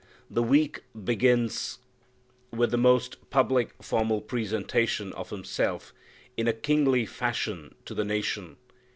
The week begins with the most public, formal presentation of Himself in a kingly fashion to the nation.